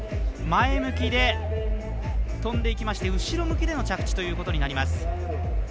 前向きで飛んでいきまして後ろ向きでの着地となります。